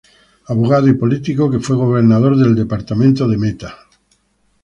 Abogado y Político que fue gobernador del departamento del Meta.